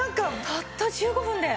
たった１５分で。